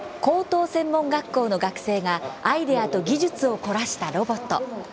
高等専門学校の学生がアイデアと技術を凝らしたロボット。